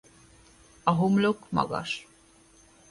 A homlok magas.